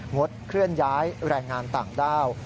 ดเคลื่อนย้ายแรงงานต่างด้าว